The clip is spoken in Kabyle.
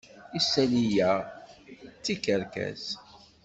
Isali-ya d tikerkas.